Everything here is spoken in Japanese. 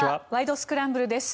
スクランブル」です。